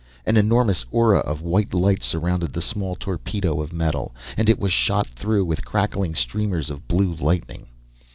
An enormous aura of white light surrounded the small torpedo of metal, and it was shot through with crackling streamers of blue lightning.